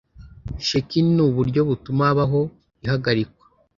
Sheki ni uburyo butuma habaho ihagarikwa